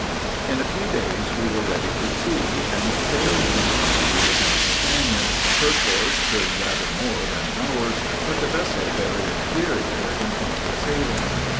In a few days we were ready for sea, and sailed in company with our companion, her force being rather more than ours, but the vessel very inferior, in point of sailing.